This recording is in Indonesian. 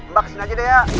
mbak kesini aja deh ya